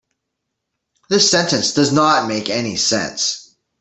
This sentence does not make any sense.